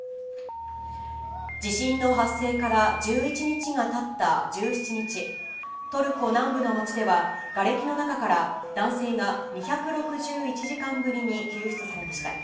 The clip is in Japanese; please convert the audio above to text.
地震の発生から１１日がたった１７日、トルコ南部の街では、がれきの中から男性が２６１時間ぶりに救出されました。